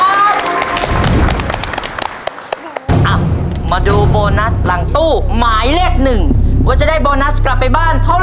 เอ้ามาดูโบนัสหลังตู้หมายเลขหนึ่งว่าจะได้โบนัสกลับไปบ้านเท่าไห